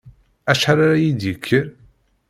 Acḥal ara yi-d-yekker?